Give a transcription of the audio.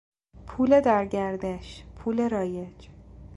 پول در گردش، پول رایج